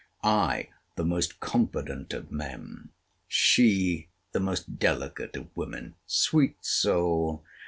—I, the most confident of men: she, the most delicate of women. Sweet soul!